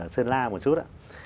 sơn la một chút